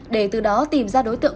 để từ đó tìm ra đối tượng